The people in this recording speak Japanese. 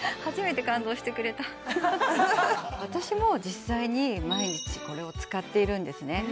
初めて感動してくれた私も実際に毎日これを使っているんですね